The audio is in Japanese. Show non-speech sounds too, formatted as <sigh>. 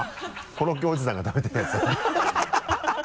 コロッケおじさんが食べてるやつ <laughs>